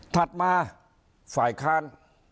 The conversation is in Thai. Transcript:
ถัดมาฝ่ายค้าน